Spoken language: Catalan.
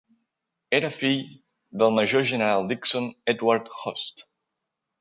Era fill del major general Dixon Edward Hoste.